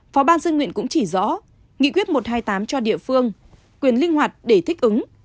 phó ban dân nguyện cũng chỉ rõ nghị quyết một trăm hai mươi tám cho địa phương quyền linh hoạt để thích ứng